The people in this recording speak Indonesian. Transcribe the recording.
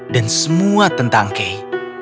dan semua tentang kay